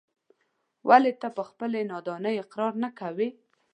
ولې ته په خپلې نادانۍ اقرار نه کوې.